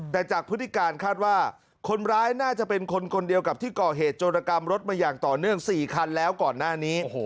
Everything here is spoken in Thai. แต่จากพฤติการคาดว่าคนร้ายน่าจะเป็นคนคนเดียวกับที่ก่อเหตุโจรกรรมรถมาอย่างต่อเนื่อง๔คันแล้วก่อนหน้านี้